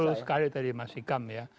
itu sekali tadi mas sikam ya